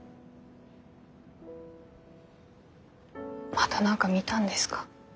また何か見たんですか？